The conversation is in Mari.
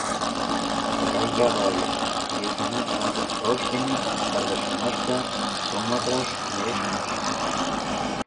Вара Ява ыле, лейтенант Ван дер Фрош дене каргашымаш да Суматраш верештмаш.